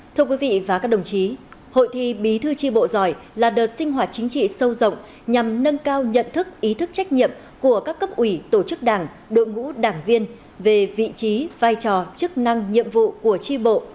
thưa quý vị và các đồng chí hội thi bí thư tri bộ giỏi là đợt sinh hoạt chính trị sâu rộng nhằm nâng cao nhận thức ý thức trách nhiệm của các cấp ủy tổ chức đảng đội ngũ đảng viên về vị trí vai trò chức năng nhiệm vụ của tri bộ